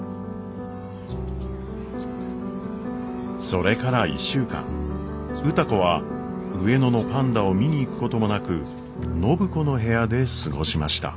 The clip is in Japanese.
それから１週間歌子は上野のパンダを見に行くこともなく暢子の部屋で過ごしました。